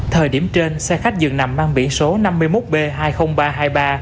thời điểm trên xe khách dường nằm mang biển số năm mươi một b hai mươi nghìn ba trăm hai mươi ba